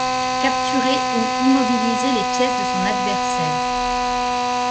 Capturer ou immobiliser les pièces de son adversaire.